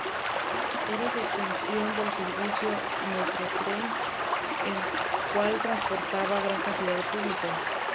Era detención del servicio Metrotren, el cual transportaba gran cantidad de público.